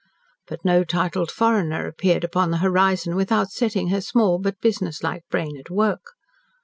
But no titled foreigner appeared upon the horizon without setting her small, but business like, brain at work.